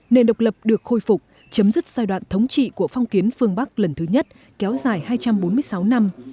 nền độc lập được khôi phục chấm dứt giai đoạn thống trị của phong kiến phương bắc lần thứ nhất kéo dài hai trăm bốn mươi sáu năm